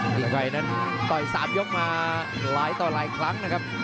พี่ชัยนั้นต่อย๓ยกมาหลายต่อหลายครั้งนะครับ